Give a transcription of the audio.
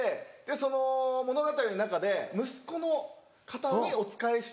その物語の中で息子の方にお仕えして。